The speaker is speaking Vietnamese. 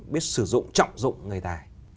biết sử dụng trọng dụng người tài